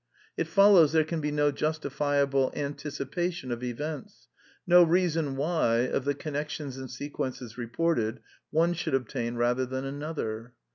It follows there can be no justifiable antic ipation of events; no reason why, of the connections and sequences reported, one should obtain rather than another.